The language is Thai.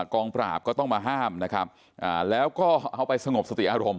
กองปราบก็ต้องมาห้ามนะครับแล้วก็เอาไปสงบสติอารมณ์